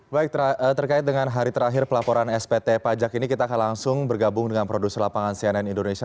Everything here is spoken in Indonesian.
baik terkait dengan hari terakhir pelaporan spt pajak ini kita akan langsung bergabung dengan produser lapangan cnn indonesia